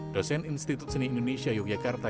dosen institut seni indonesia yogyakarta